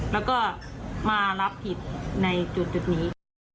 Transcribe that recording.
แล้วก็มารับผิดในจุดนี้